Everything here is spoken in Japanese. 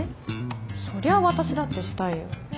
そりゃあ私だってしたいよ。